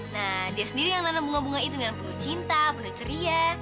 nah dia sendiri yang nanam bunga bunga itu dengan penuh cinta penuh ceria